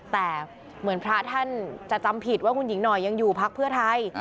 แต่เหมือนพระท่านจะจำผิดว่าคุณหญิงหน่อยยังอยู่พักเพื่อไทย